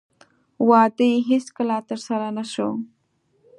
واده یې هېڅکله ترسره نه شو.